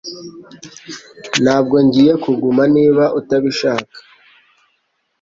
Ntabwo ngiye kuguma niba utabishaka